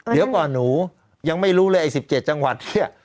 เดี๋ยวก่อนหนูยังไม่รู้เลยไอ้๑๗จังหวัดเนี่ย